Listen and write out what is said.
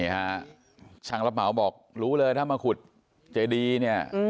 ช่างรับเหมาบอกรู้เลยถ้ามาขุดเจดีเนี่ย